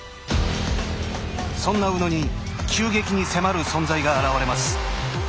そんな宇野に急激に迫る存在が現れます。